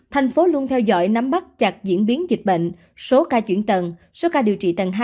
thành phố luôn theo dõi nắm bắt chặt diễn biến dịch bệnh số ca chuyển tần số ca điều trị tầng hai